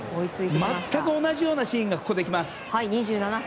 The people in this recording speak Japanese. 全く同じようなシーンがここで来ます。